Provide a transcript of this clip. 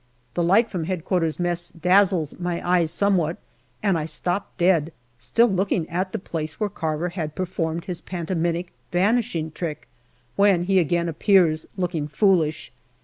The light from H.Q. mess dazzles my eyes somewhat, and I stop dead, still looking at the place where Carver had performed his pantomimic vanishing trick, when he again appears, looking foolish.